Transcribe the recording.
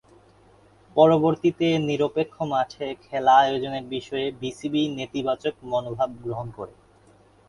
পরবর্তীতে নিরপেক্ষ মাঠে খেলা আয়োজনের বিষয়ে বিসিবি নেতিবাচক মনোভাব গ্রহণ করে।